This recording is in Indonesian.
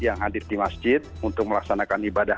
yang hadir di masjid untuk melaksanakan ibadah